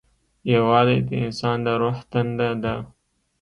یووالی د انسان د روح تنده ده.